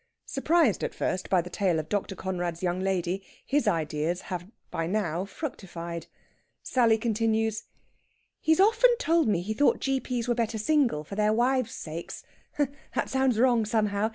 Surprised at first by the tale of Dr. Conrad's young lady, his ideas have by now fructified. Sally continues: "He's often told me he thought G.P.'s were better single, for their wives' sakes that sounds wrong, somehow!